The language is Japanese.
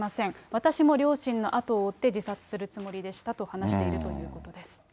私も両親の後を追って、自殺するつもりでしたと話しているということです。